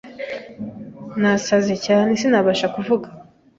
Nasaze cyane sinabasha kuvuga.